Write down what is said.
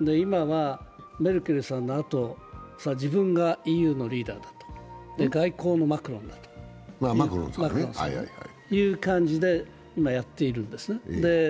今はメルケルさんのあと、自分がＥＵのリーダーだと、外交もマクロンだという感じで今やっているんですね。